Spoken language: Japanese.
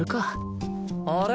あれ？